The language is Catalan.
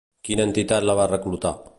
Quina entitat la va reclutar?